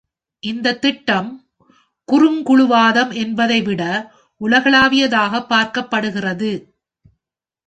இந்தத் திட்டம் குறுங்குழுவாதம் என்பதை விட, உலகளாவியதாக பார்க்கப்படுகிறது.